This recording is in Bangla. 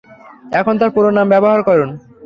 এখন তার পুরো নাম ব্যবহার করুন।